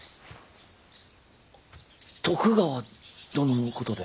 徳川殿のことで？